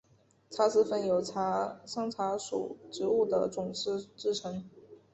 茶籽粉由山茶属植物的种子制成。